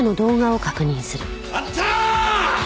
あったー！！